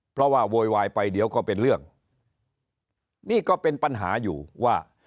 เพราะว่าโวยวายไปเดี๋ยวก็เป็นเรื่องนี่ก็เป็นปัญหาอยู่ว่า